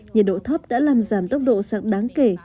nhiệt độ thấp đã làm giảm tốc độ sạc đáng kể